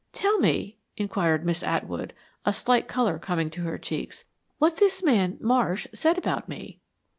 "Tell me," inquired Miss Atwood, a slight color coming to her cheeks, "what this man Marsh said about me."